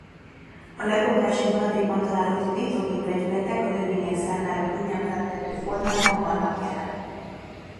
A lebontási maradékban található nitrogén vegyületek a növények számára könnyen felvehető formában vannak jelen.